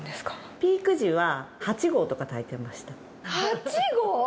ピーク時は８合とか炊いてま８合？